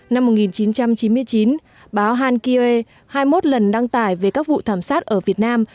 năm một nghìn chín trăm chín mươi chín báo hàn ki uê hai mươi một lần đăng tải về các vụ thảm sát ở việt nam